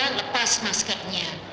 dia lepas maskernya